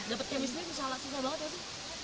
dapet chemistry susah banget gak sih